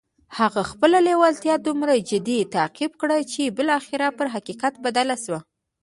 هغه خپله لېوالتیا دومره جدي تعقيب کړه چې بالاخره پر حقيقت بدله شوه.